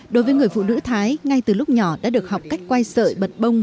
đối với người phụ nữ thái ngay từ lúc nhỏ đã được học cách quay sợi bật bông